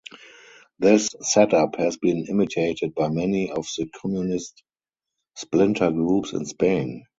This set-up has been imitated by many of the communist splinter groups in Spain.